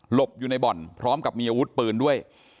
อยู่ในบ่อนพร้อมกับมีอาวุธปืนด้วย